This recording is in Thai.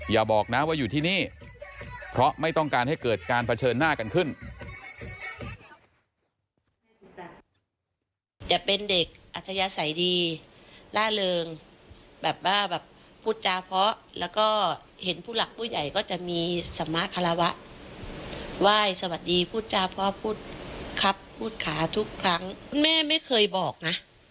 อย่าบอกนะว่าอยู่ที่นี่เพราะไม่ต้องการให้เกิดการเผชิญหน้ากันขึ้น